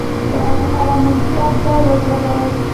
یوازې هغه منفي اجزا یې وځلوي.